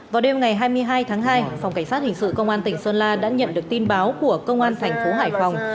vào đêm ngày hai mươi hai tháng hai phòng cảnh sát hình sự công an tỉnh sơn la đã nhận được tin báo của công an thành phố hải phòng